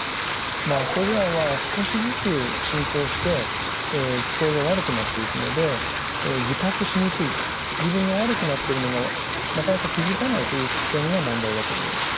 まあこれらは少しずつ進行して聞こえが悪くなっていくので自覚しにくい自分が悪くなってるのがなかなか気付かないという点が問題だと思います。